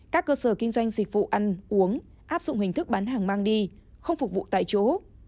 các cơ sở kinh doanh dịch vụ ăn uống áp dụng hình thức bán hàng mang đi không phục vụ tại chỗ